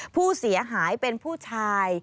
ผู้เสียหายเป็นผู้ชาย